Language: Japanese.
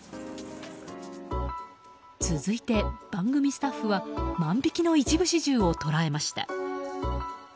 続いて、番組スタッフは万引きの一部始終を捉えました。